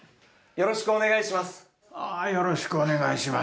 よろしくお願いします。